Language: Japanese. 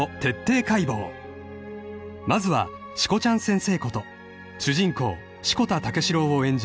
［まずはしこちゃん先生こと主人公］